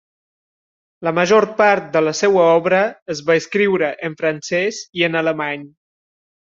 La major part de la seva obra es va escriure en francès i en alemany.